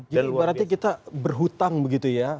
jadi berarti kita berhutang begitu ya